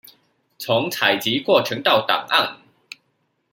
從採集過程到檔案